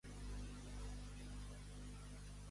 Ser en Nofre Llonze.